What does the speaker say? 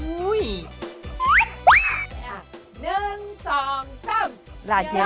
อุ้ยหนึ่งสองซ้ำยาดมนุษย์ป้า